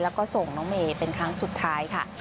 แล้วก็ส่งน้องเมย์เป็นครั้งสุดท้ายค่ะ